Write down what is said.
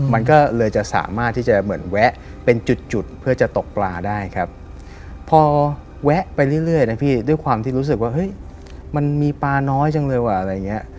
มันก็เลยจะสามารถที่จะเหมือนแวะเป็นจุดจุดเพื่อจะตกปลาได้ครับพอแวะไปเรื่อยนะพี่ด้วยความที่รู้สึกว่าเฮ้ยมันมีปลาน้อยจังเลยว่ะอะไรอย่างเงี้ย